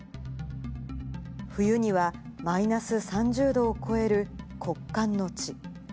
冬にはマイナス３０度を超える酷寒の地。